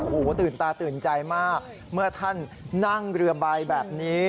โอ้โหตื่นตาตื่นใจมากเมื่อท่านนั่งเรือใบแบบนี้